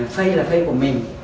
phây là phây của mình